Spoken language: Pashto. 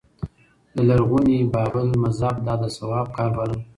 د لرغوني بابل مذهب دا د ثواب کار باله